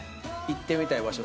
行ってみたい場所？